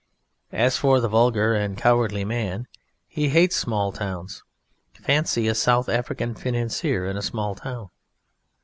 As for the vulgar and cowardly man, he hates small towns (fancy a South African financier in a small town!)